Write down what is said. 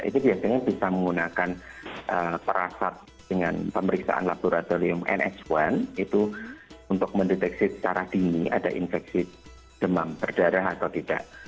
itu biasanya bisa menggunakan perasar dengan pemeriksaan laboratorium nx satu itu untuk mendeteksi secara dini ada infeksi demam berdarah atau tidak